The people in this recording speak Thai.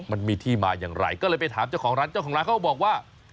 มันมีที่มาอย่างไรก็เลยไปถามเจ้าของร้านเจ้าของร้านเขาก็บอกว่า